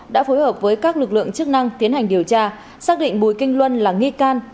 đã phối hợp với các lực lượng chức năng tiến hành điều tra xác định bùi kinh luân là nghi can